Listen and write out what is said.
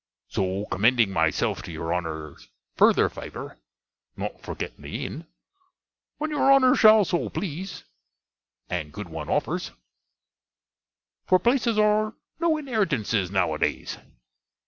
So, commending myself to your Honner's further favour, not forgetting the inne, when your Honner shall so please, and good one offers; for plases are no inherritanses now a days.